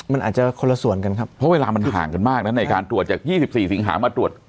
มันอาจจะคนละส่วนกันครับเพราะเวลามันห่างกันมากนะในการตรวจจาก๒๔สิงหามาตรวจ